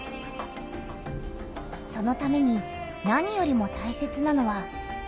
そのために何よりもたいせつなのは水だった。